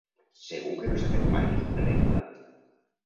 Segur que no s'ha fet mai —rebla.